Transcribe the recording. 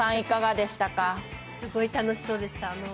すごい楽しそうでした。